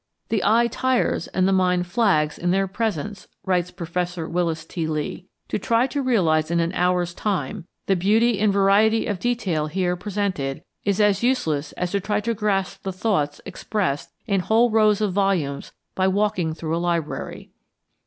"The eye tires and the mind flags in their presence," writes Professor Willis T. Lee. "To try to realize in an hour's time the beauty and variety of detail here presented is as useless as to try to grasp the thoughts expressed in whole rows of volumes by walking through a library."